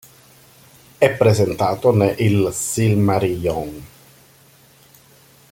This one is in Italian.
È presentato ne "Il Silmarillion".